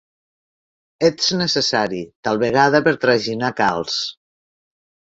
Ets necessari, tal vegada per traginar calç.